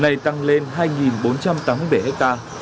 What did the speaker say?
nay tăng lên hai bốn trăm tám mươi bảy hectare